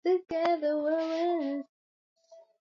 nguzo ya kwanza ya uislamu hujumuisha kutoa kauli mbili